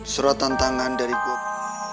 surat tantangan dari gue